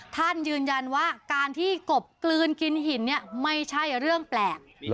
ท่านยืนยันว่าการที่กบกลืนกินหินเนี่ยไม่ใช่เรื่องแปลก